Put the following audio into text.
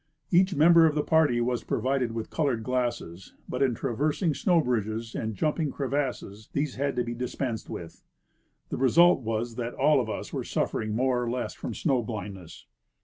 Each member of the party was provided with colored glasses, but in traversing snow bridges and jumping crevasses these had to be dispensed with. The result was that all of us were suffering more or less from snow blindness.